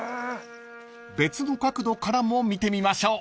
［別の角度からも見てみましょう］